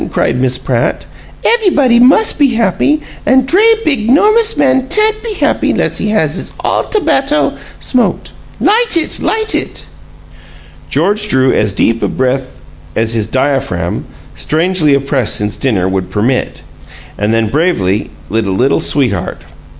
cried Miss Pratt. "Ev'ybody mus' be happy, an' dray, big, 'normous man tan't be happy 'less he have his all tobatto smote. Light it, light it!" George drew as deep a breath as his diaphragm, strangely oppressed since dinner, would permit, and then bravely lit a Little Sweetheart.